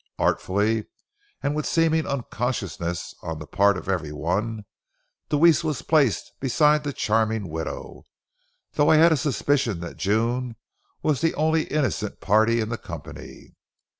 Artfully and with seeming unconsciousness on the part of every one, Deweese was placed beside the charming widow, though I had a suspicion that June was the only innocent party in the company.